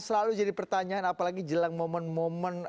selalu jadi pertanyaan apalagi jelang momen momen